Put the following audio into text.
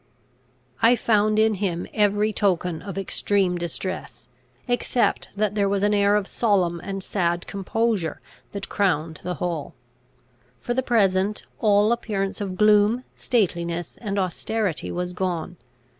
I found in him every token of extreme distress, except that there was an air of solemn and sad composure that crowned the whole. For the present, all appearance of gloom, stateliness, and austerity was gone.